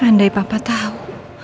andai papa tahu